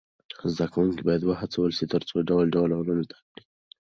زده کوونکي باید و هڅول سي تر څو ډول ډول علوم زده کړي.